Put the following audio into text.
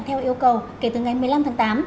theo yêu cầu kể từ ngày một mươi năm tháng tám